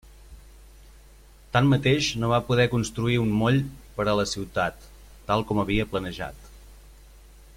Tanmateix no va poder construir un moll per a la ciutat, tal com havia planejat.